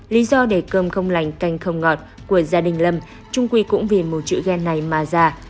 lý do để cơm không lành canh không ngọt của gia đình lâm trung quy cũng vì một chữ ghen này mà già